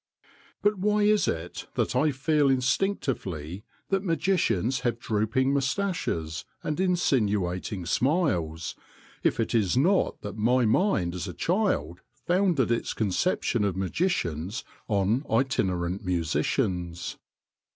But why is it that I feel instinctively that magicians have drooping moustaches and insinuating smiles, if it is not that my mind as a child founded its conception of magicians on itinerant musicians?